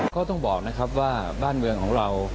ก็ต้องบอกนะครับว่าบ้านเมืองของเรา